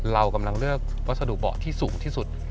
เรากำลังเลือกวัสดุเบาะที่สูงที่สุด